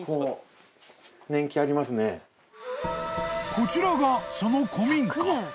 ［こちらがその古民家］